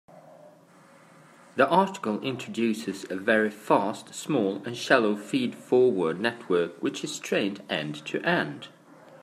The article introduces a very fast, small, and shallow feed-forward network which is trained end-to-end.